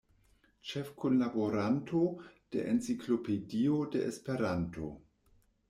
Ĉefkunlaboranto de Enciklopedio de Esperanto.